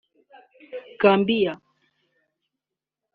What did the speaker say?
Gambia